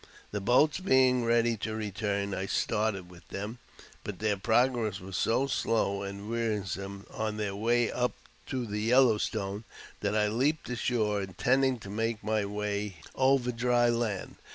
The boats being ready to return, I started with them, but their progress was so slow and wearisome on their way up to the Yellow Stone that I leaped ashore, intending to make my way over dry land.